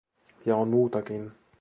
Ja on muutakin.